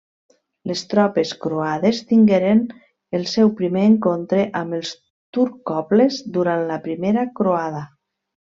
Les tropes croades tingueren el seu primer encontre amb els turcoples durant la Primera Croada.